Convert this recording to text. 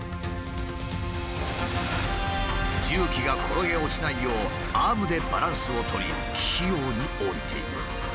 重機が転げ落ちないようアームでバランスを取り器用に降りていく。